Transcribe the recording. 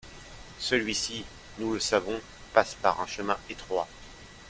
Celui-ci, nous le savons, passe par un chemin étroit.